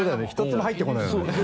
１つも入ってこないよね。